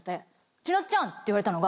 ちなっちゃんって言われたのが。